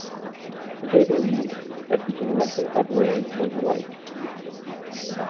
They believe that he can let them have rain when he likes.